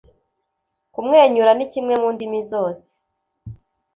Kumwenyura ni kimwe mundimi zose.